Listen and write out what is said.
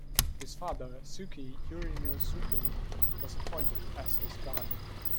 His father, Sugi Yurinosuke, was appointed as his guardian.